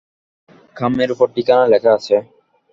খামের ওপর ঠিকানা লেখা আছে।